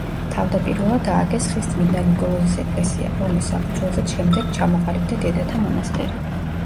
თავდაპირველად ააგეს ხის წმინდა ნიკოლოზის ეკლესია, რომლის საფუძველზეც შემდეგ ჩამოყალიბდა დედათა მონასტერი.